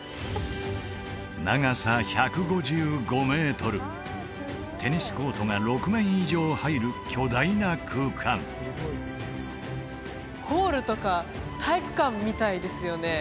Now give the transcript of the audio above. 長さ１５５メートルテニスコートが６面以上入る巨大な空間ホールとか体育館みたいですよね